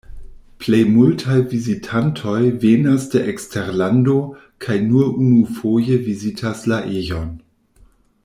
Plej multaj vizitantoj venas de eksterlando kaj nur unufoje vizitas la ejon.